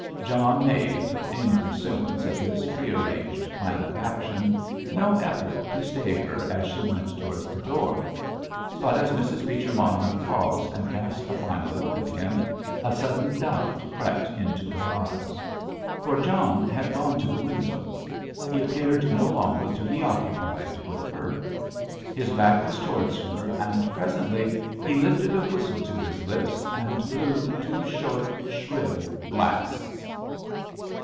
John made—in pursuance of his prearranged plan of action—no effort to stay her as she went towards the door. But as Mrs. Beecher Monmouth paused and cast a final look at him, a sudden doubt crept into her eyes. For John had gone to the window. He appeared no longer to be occupied with her. His back was towards her, and presently he lifted a whistle to his lips and blew two short, shrill blasts.